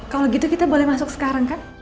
kalau gitu kita boleh masuk sekarang kan